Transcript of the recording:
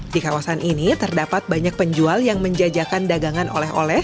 di kawasan ini terdapat banyak penjual yang menjajakan dagangan oleh oleh